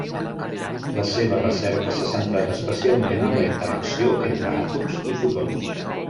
La seva recerca s'ha centrat especialment en la interacció entre àtoms i fotons.